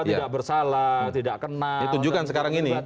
tidak bersalah tidak kenal itu juga sekarang ini